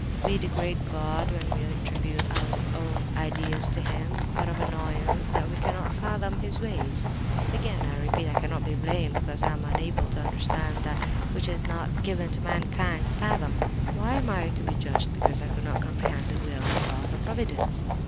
We degrade God when we attribute our own ideas to Him, out of annoyance that we cannot fathom His ways. "Again, I repeat, I cannot be blamed because I am unable to understand that which it is not given to mankind to fathom. Why am I to be judged because I could not comprehend the Will and Laws of Providence?